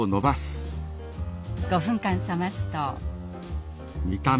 ５分間冷ますと。